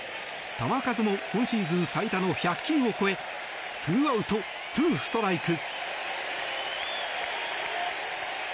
球数も今シーズン最多の１００球を超えツーアウト、ツーストライク。